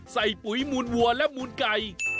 ใส่ปุ๋ยหมวนวัวและหมวนไก่